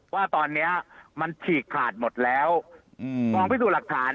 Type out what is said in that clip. ว่าตอนนี้มันฉีกขาดหมดแล้วกองพิสูจน์หลักฐาน